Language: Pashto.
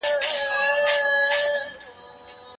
ګټه او زیان د بازار دوه مخونه دي.